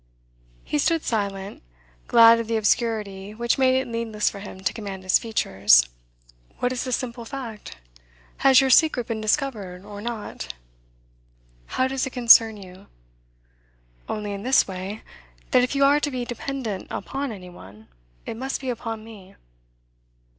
He stood silent, glad of the obscurity which made it needless for him to command his features. At length: 'What is the simple fact? Has your secret been discovered, or not?' 'How does it concern you?' 'Only in this way: that if you are to be dependent upon any one, it must be upon me.